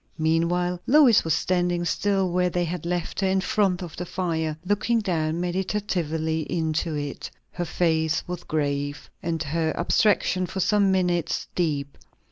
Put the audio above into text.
Meanwhile Lois was standing still where they had left her, in front of the fire; looking down meditatively into it. Her face was grave, and her abstraction for some minutes deep.